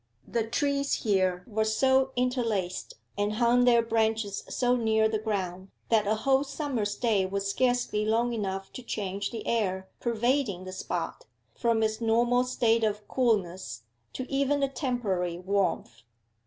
The trees here were so interlaced, and hung their branches so near the ground, that a whole summer's day was scarcely long enough to change the air pervading the spot from its normal state of coolness to even a temporary warmth.